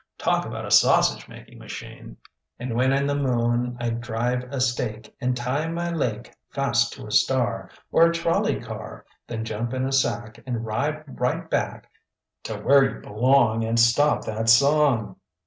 "Talk about a sausage making machine " "And when in the moon, I'd drive a stake, And tie my lake Fast to a star, Or a trolley car, Then jump in a sack And ride right back " "To where you belong, And stop that song!"